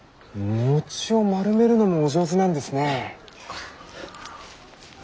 餅を丸めるのもお上手なんですね。